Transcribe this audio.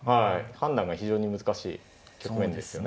判断が非常に難しい局面ですよね。